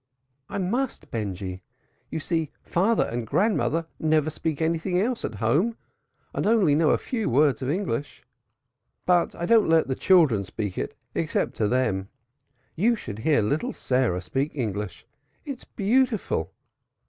"I must, Benjy. You see father and grandmother never speak anything else at home, and only know a few words of English. But I don't let the children speak it except to them. You should hear little Sarah speak English. It's beautiful.